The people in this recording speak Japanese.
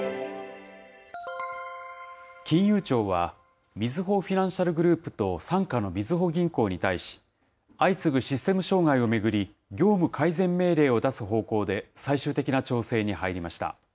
金融庁は、みずほフィナンシャルグループと傘下のみずほ銀行に対し、相次ぐシステム障害を巡り、業務改善命令を出す方向で最終的な調整に入りました。